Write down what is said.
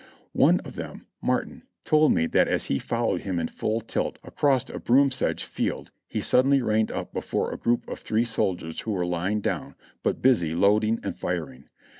One of them, Martin, told me that as he followed him in full tilt across a broom sedge field he suddenly reined up before a group of three soldiers who were lying down, but busy loading and firing.